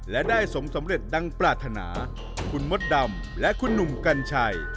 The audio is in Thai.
และได้สมสำเร็จดังปรารถนาคุณมดดำและคุณหนุ่มกัญชัย